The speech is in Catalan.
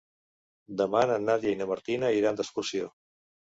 Demà na Nàdia i na Martina iran d'excursió.